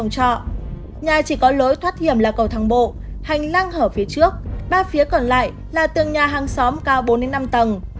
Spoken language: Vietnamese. nhà chỉ có lối thoát hiểm là cầu thang bộ hành lang hở phía trước ba phía còn lại là tường nhà hàng xóm cao bốn năm tầng